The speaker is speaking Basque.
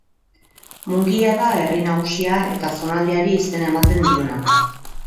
Mungia da herri nagusia eta zonaldeari izena ematen diona.